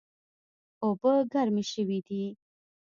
اوبه ګرمې شوې دي